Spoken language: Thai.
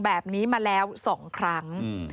แบบนี้มาแล้ว๒ครั้ง